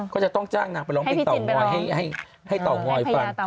ก็จะต้องจ้างนางไปร้องเพลงเตางอยให้เตางอยฟัง